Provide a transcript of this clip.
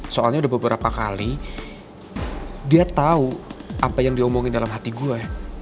soalnya udah beberapa kali dia tahu apa yang diomongin dalam hati gue